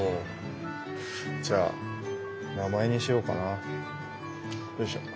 じゃあ名前にしようかな。